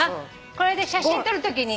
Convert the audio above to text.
これで写真撮るときに。